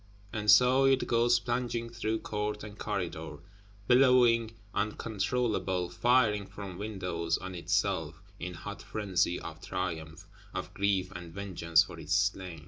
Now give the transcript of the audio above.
And so it goes plunging through court and corridor; billowing uncontrollable, firing from windows on itself; in hot frenzy of triumph, of grief and vengeance for its slain.